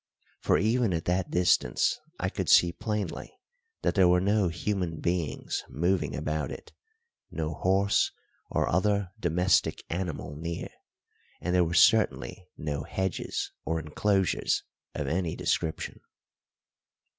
For even at that distance I could see plainly that there were no human beings moving about it, no horse or other domestic animal near, and there were certainly no hedges or enclosures of any description.